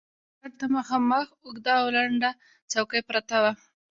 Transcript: کټ ته مخامخ اوږده او لنډه څوکۍ پرته وه.